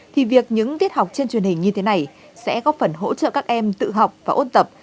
thì việc những tiết học trên truyền hình như thế này sẽ góp phần hỗ trợ các em tự học và ôn tập